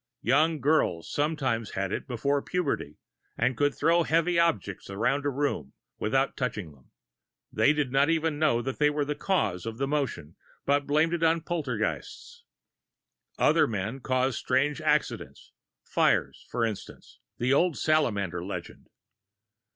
Young girls sometimes had it before puberty, and could throw heavy objects around a room without touching them; they did not even know they were the cause of the motion, but blamed it on poltergeists. Other men caused strange accidents fires, for instance the old salamander legend!